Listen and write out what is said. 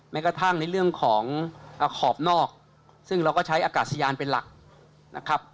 กระทั่งในเรื่องของขอบนอกซึ่งเราก็ใช้อากาศยานเป็นหลักนะครับ